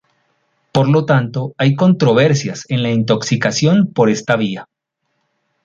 Por lo tanto hay controversias en la intoxicación por esta vía.